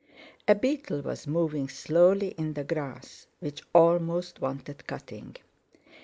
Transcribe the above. A beetle was moving slowly in the grass, which almost wanted cutting.